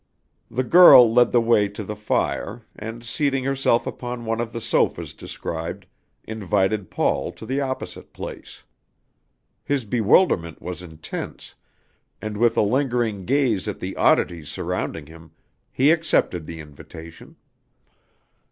The girl led the way to the fire, and, seating herself upon one of the sofas described, invited Paul to the opposite place. His bewilderment was intense, and with a lingering gaze at the oddities surrounding him, he accepted the invitation.